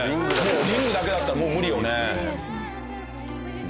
リングだけだったらもう無理よね。